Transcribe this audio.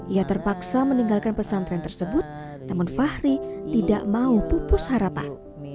ia terpaksa meninggalkan pesantren tersebut namun fahri tidak mau pupus harapan